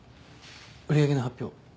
売り上げの発表。